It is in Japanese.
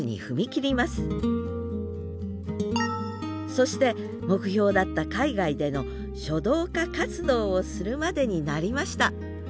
そして目標だった海外での書道家活動をするまでになりました